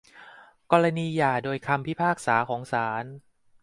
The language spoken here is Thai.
กรณีหย่าโดยคำพิพากษาของศาล